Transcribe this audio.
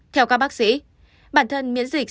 theo các bác sĩ bản thân miễn dịch